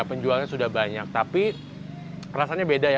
penjualnya sudah banyak tapi rasanya beda ya